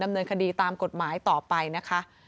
ดำเนินคดีตามกฎหมายต่อไปนะคะ